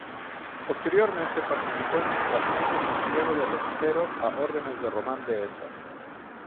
Posteriormente participó en la invasión de Santiago del Estero a órdenes de Román Deheza.